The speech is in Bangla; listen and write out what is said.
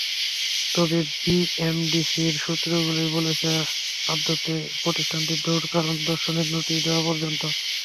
তবে বিএমডিসির সূত্রগুলোই বলছে, আদতে প্রতিষ্ঠানটির দৌড় কারণ দর্শানোর নোটিশ দেওয়া পর্যন্ত।